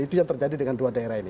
itu yang terjadi dengan dua daerah ini